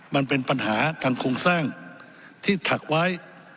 มันเป็นปัญหาทางโครงสร้างที่ถักไว้